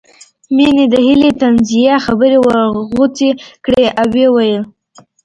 مينې د هيلې طنزيه خبرې ورغوڅې کړې او ويې ويل